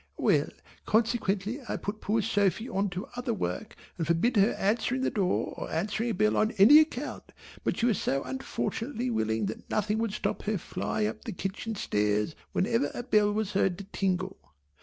Well consequently I put poor Sophy on to other work and forbid her answering the door or answering a bell on any account but she was so unfortunately willing that nothing would stop her flying up the kitchen stairs whenever a bell was heard to tingle.